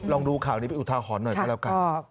ลองดูข่าวนี้เป็นอุทาหรณ์หน่อยก็แล้วกัน